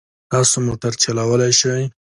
تاسو موټر چلولای شئ؟